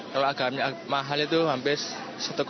kalau agak mahal itu hampir rp satu lima